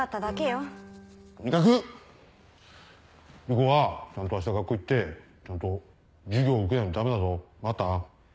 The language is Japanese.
理子はちゃんと明日学校行ってちゃんと授業受けないとダメだぞ分かった？